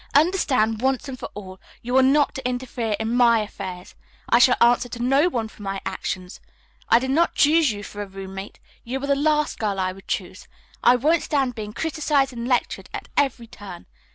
Understand, once and for all, you are not to interfere in my affairs. I shall answer to no one for my actions. I did not choose you for a roommate. You are the last girl I would choose. I won't stand being criticized and lectured at every turn.